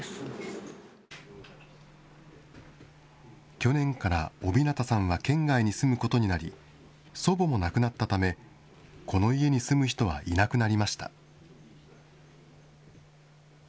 去年から尾日向さんは県外に住むことになり、祖母も亡くなったため、この家に住む人はいなくなりました。